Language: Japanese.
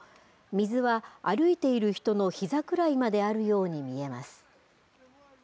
水は歩いている人の膝くらいまであるように見えます。